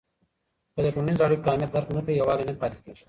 که د ټولنیزو اړیکو اهمیت درک نه کړې، یووالی نه پاتې کېږي.